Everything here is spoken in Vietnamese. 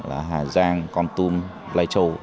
là hà giang con tum lai châu